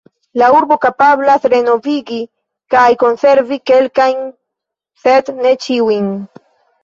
La urbo kapablas renovigi kaj konservi kelkajn, sed ne ĉiujn.